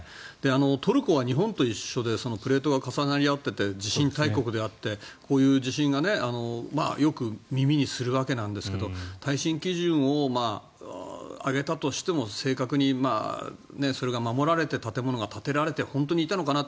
トルコは日本と一緒でプレートが重なり合っていて地震大国であってこういう地震がよく耳にするわけなんですけど耐震基準を上げたとしても正確にそれが守られて建物が建てられて本当にいたのかなって。